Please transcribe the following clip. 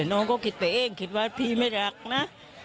น้องก็คิดไปเองคิดว่าพี่ไม่รักนะ